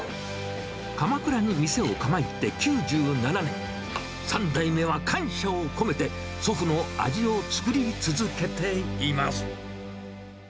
鎌倉に店を構えて９７年、３代目は感謝を込めて、祖父の味を作り続けています。